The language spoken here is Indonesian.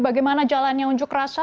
bagaimana jalan yang unjuk rasa